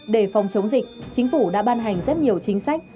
để phòng chống dịch chính phủ đã ban hành rất nhiều chính sách